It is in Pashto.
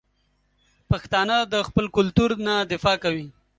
پښتانه د خپل کلتور نه دفاع کوي.